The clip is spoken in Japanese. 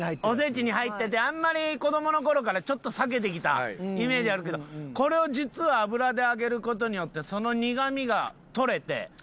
おせちに入っててあんまり子どもの頃からちょっと避けてきたイメージあるけどこれを実は油で揚げる事によってその苦みが取れて。